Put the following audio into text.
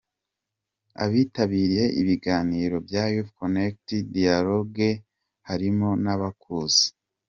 Abitabiriye ibiganiro bya Youth connekt Dialogue harimo n’abakuze.